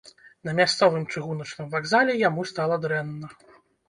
На мясцовым чыгуначным вакзале яму стала дрэнна.